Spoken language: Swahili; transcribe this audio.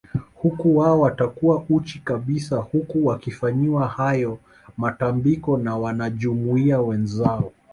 Huko wao watakuwa uchi kabisa huku wakifanyiwa hayo matambiko na wanajumuiya wenzao